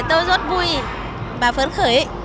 rốt rốt vui và phấn khởi